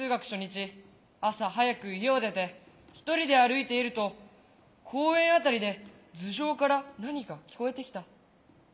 朝早く家を出て一人で歩いていると公園辺りで頭上から何か聞こえてきた。